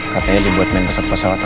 katanya dibuat menyesat pesawat